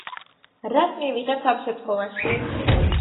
რას მივიღებთ ამ შემთხვევაში?